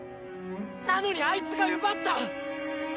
なのにあいつが奪った！